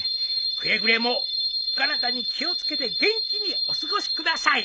「くれぐれもお体に気をつけて元気にお過ごしください」